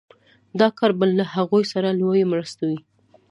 دا کار به له هغوی سره لويه مرسته وي